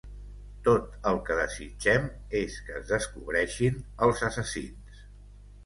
Tot el que desitgem és que es descobreixin els assassins.